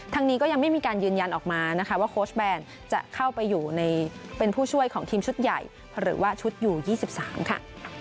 นี้ก็ยังไม่มีการยืนยันออกมานะคะว่าโค้ชแบนจะเข้าไปอยู่ในเป็นผู้ช่วยของทีมชุดใหญ่หรือว่าชุดอยู่๒๓ค่ะ